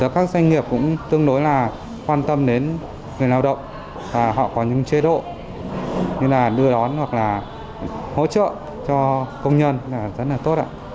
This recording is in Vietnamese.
các doanh nghiệp cũng tương đối là quan tâm đến người lao động và họ có những chế độ như là đưa đón hoặc là hỗ trợ cho công nhân rất là tốt